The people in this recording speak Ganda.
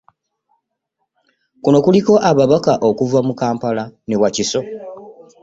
Kuno kuliko ababaka okuva mu Kampala ne Wakiso